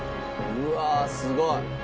うわすごい！